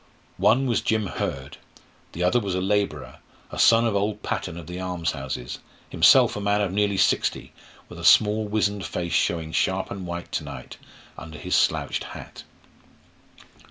One was Jim Hurd; the other was a labourer, a son of old Patton of the almshouses, himself a man of nearly sixty, with a small wizened face showing sharp and white to night under his slouched hat.